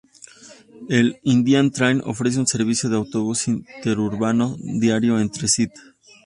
El Indian Trails ofrece un servicio de autobús interurbano diario entre St.